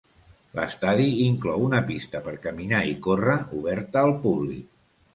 L'estadi inclou una pista per caminar i córrer oberta al públic.